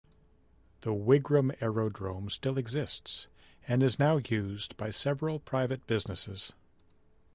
The Wigram Aerodrome still exists, and is now used by several private businesses.